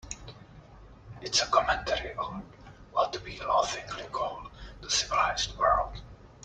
It's a commentary on what we laughingly call the civilized world.